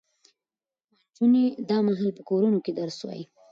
نجونې دا مهال په کورونو کې درس وايي.